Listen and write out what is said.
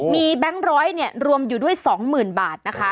มีแบงค์ร้อยรวมอยู่ด้วย๒๐๐๐บาทนะคะ